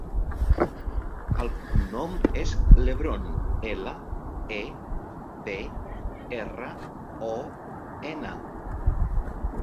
El cognom és Lebron: ela, e, be, erra, o, ena.